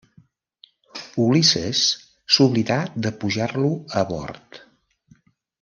Ulisses s'oblidà de pujar-lo a bord.